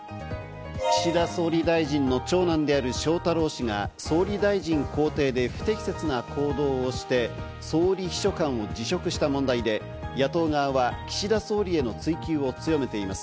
岸田総理大臣の長男である翔太郎氏が総理大臣公邸で不適切な行動をして総理秘書官を辞職した問題で、野党側は岸田総理への追及を強めています。